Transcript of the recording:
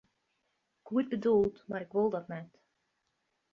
Goed bedoeld, mar ik wol dat net.